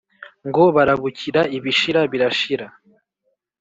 ngo barabukira ibishira birashira